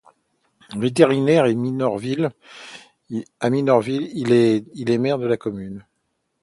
Vétérinaire à Minorville, il est maire de la commune.